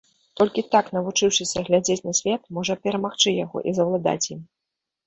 Толькі так навучыўшыся глядзець на свет, можна перамагчы яго і заўладаць ім.